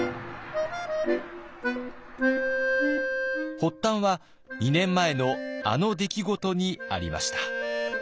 発端は２年前のあの出来事にありました。